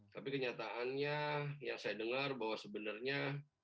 tapi kenyataannya yang saya dengar bahwa sebenarnya